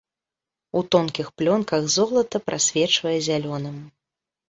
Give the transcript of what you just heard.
У тонкіх плёнках золата прасвечвае зялёным.